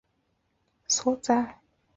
巴彦乃庙位于巴彦淖尔苏木所在地。